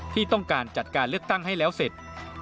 ที่ต้องการจัดการเลือกตั้งให้แล้วเสร็จ